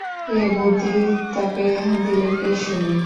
এ বুদ্ধি তাঁকে দিলে কে শুনি।